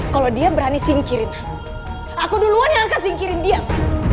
kenapa ini ini sudah pulang sekarang